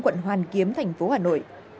quận hoàn kiếm thành phố hà nội